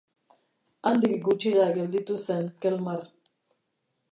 Handik gutxira gelditu zen Kelmar.